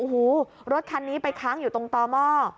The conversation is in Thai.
โอ้โหรถคันนี้ไปค้างอยู่ตรงต่อหม้อ